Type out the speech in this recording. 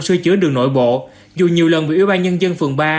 sưu chứa đường nội bộ dù nhiều lần bị ủy ban nhân dân phường ba